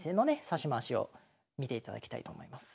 指し回しを見ていただきたいと思います。